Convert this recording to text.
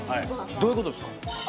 どういうことっすか？